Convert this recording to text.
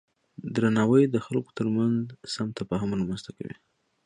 درناوی د خلکو ترمنځ سم تفاهم رامنځته کوي.